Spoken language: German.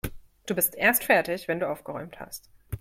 Du bist erst fertig, wenn du aufgeräumt hast.